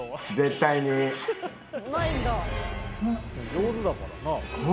上手だからなあ。